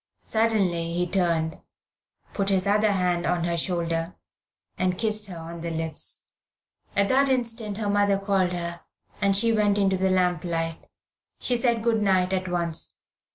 Suddenly he turned, put his other hand on her shoulder, and kissed her on the lips. At that instant her mother called her, and she went into the lamp light. She said good night at once.